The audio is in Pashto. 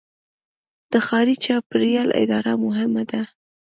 د ښاري چاپیریال اداره مهمه ده.